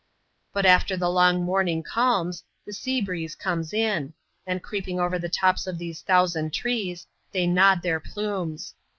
But after the long morning calms, the sea breeze comes in ; and creeping over the tops of these thousand trees, they^ nod l^eir plumes.